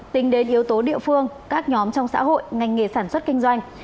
tính đến yếu tố địa phương các nhóm trong xã hội ngành nghề sản xuất kinh doanh